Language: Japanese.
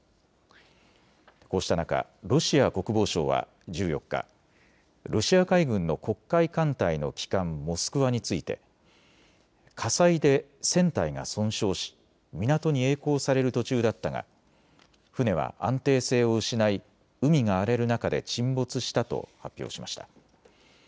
こうした中、ロシア国防省は１４日、ロシア海軍の黒海艦隊の旗艦、モスクワについて火災で船体が損傷し港にえい航される途中だったが船は安定性を失い海が荒れる中で沈没したと発表しました。